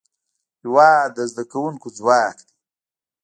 هېواد د زدهکوونکو ځواک دی.